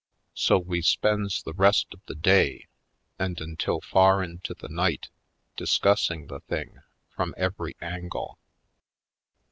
So we spends the rest of the day and until far into the night discussing the thing from every angle.